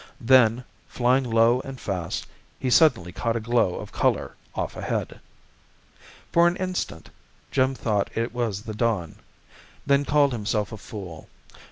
Then, flying low and fast, he suddenly caught a glow of color off ahead. For an instant Jim thought it was the dawn, then called himself a fool.